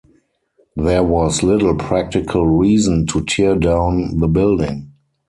There was little practical reason to tear down the building.